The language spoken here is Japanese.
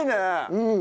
うん。